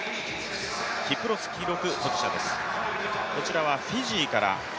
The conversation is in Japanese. キプロス記録保持者です。